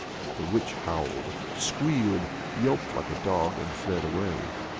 The witch howled, squealed, yelped like a dog, and fled away.